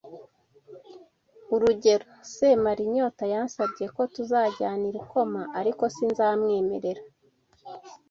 Urugero Semarinyota yansabye ko tuzajyana i Rukoma ariko sinzamwemerera